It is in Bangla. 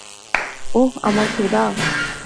ওহ আমার খোদা!